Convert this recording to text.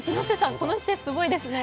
この姿勢すごいですね。